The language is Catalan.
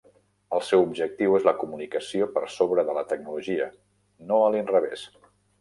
El seu objectiu és la comunicació per sobre de la tecnologia, no a l'inrevés.